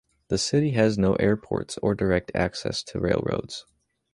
The city has no airports or direct access to railroads.